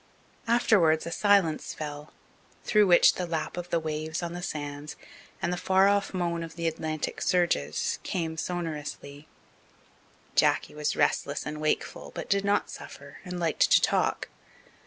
Afterwards a silence fell, through which the lap of the waves on the sands and the far off moan of the Atlantic surges came sonorously. Jacky was restless and wakeful, but did not suffer, and liked to talk.